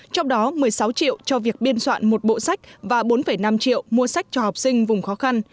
trong đó một mươi sáu triệu cho việc biên soạn một bộ sách và bốn năm triệu mua sách cho học sinh vùng khó khăn